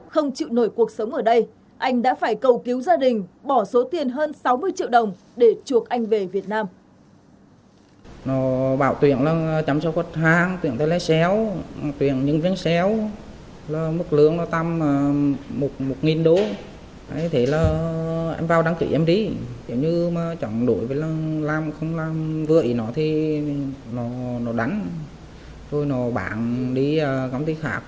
không chịu nổi cuộc sống ở đây anh đã phải cầu cứu gia đình bỏ số tiền hơn sáu mươi triệu đồng để chuộc anh về việt nam